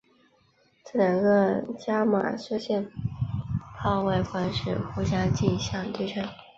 这两个伽玛射线泡外观是互相镜像对称。